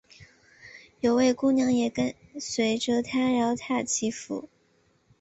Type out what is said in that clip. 有位姑娘也跟随着他饶塔祈福。